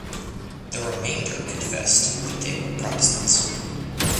The remainder confessed that they were Protestants.